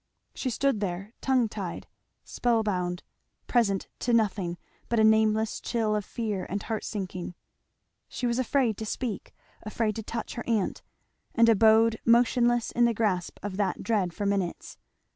She stood there tongue tied, spell bound, present to nothing but a nameless chill of fear and heart sinking. She was afraid to speak afraid to touch her aunt, and abode motionless in the grasp of that dread for minutes.